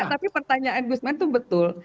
tapi pertanyaan gusman itu betul